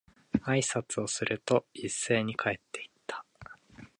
挨拶をすると、一斉に帰って行った。